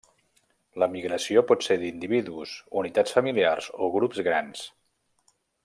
La migració pot ser d'individus, unitats familiars o grups grans.